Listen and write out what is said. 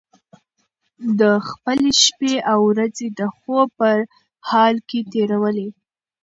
ده خپلې شپې او ورځې د خوب په حال کې تېرولې.